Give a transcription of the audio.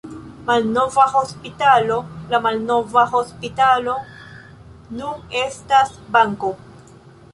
Malnova hospitalo: La malnova hospitalo nun estas banko.